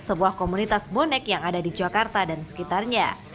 sebuah komunitas bonek yang ada di jakarta dan sekitarnya